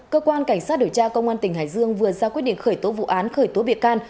cơ quan cảnh sát điều tra công an tỉnh hải dương vừa ra quyết định khởi tố vụ án khởi tố bị can